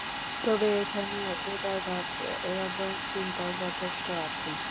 তবে এখানে উদারভাব এবং চিন্তাও যথেষ্ট আছে।